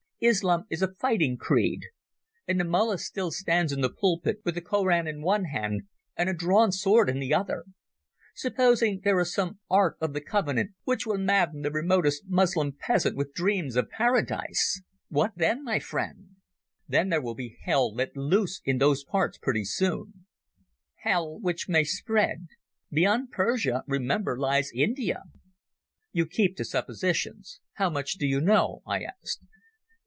Islam is a fighting creed, and the mullah still stands in the pulpit with the Koran in one hand and a drawn sword in the other. Supposing there is some Ark of the Covenant which will madden the remotest Moslem peasant with dreams of Paradise? What then, my friend?" "Then there will be hell let loose in those parts pretty soon." "Hell which may spread. Beyond Persia, remember, lies India." "You keep to suppositions. How much do you know?" I asked.